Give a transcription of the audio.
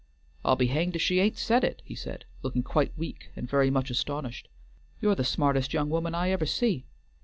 "I'll be hanged if she ain't set it," he said, looking quite weak and very much astonished. "You're the smartest young woman I ever see.